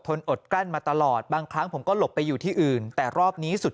นอนอดกลั้นมาตลอดบางครั้งผมก็หลบไปอยู่ที่อื่นแต่รอบนี้สุด